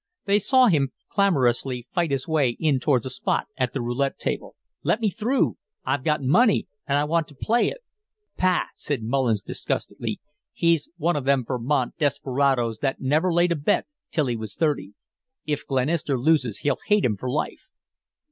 They saw him clamorously fight his way in towards a post at the roulette table. "Let me through! I've got money and I want to play it!" "Pah!" said Mullins, disgustedly. "He's one of them Vermont desperadoes that never laid a bet till he was thirty. If Glenister loses he'll hate him for life."